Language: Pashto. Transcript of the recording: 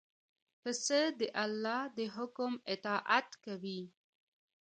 پسه د الله د حکم اطاعت کوي.